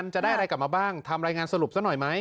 จะได้อะไรกลับมาบ้างทำรายงานสรุปซะหน่อยไหม